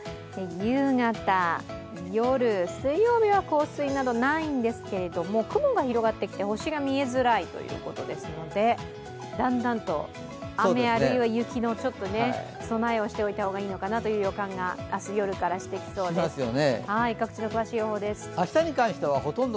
夕方、夜、水曜日は降水などないんですけど雲が広がってきて星が見えづらいということですのでだんだんと雨、あるいは雪の備えをしておいた方がいいのかなという予感が明日夜からしてきそうです。